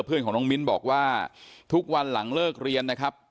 เพื่อนของน้องมิ้นบอกว่าทุกวันหลังเลิกเรียนนะครับ